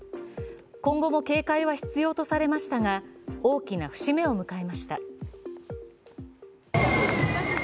今後も警戒は必要とされましたが大きな節目を迎えました。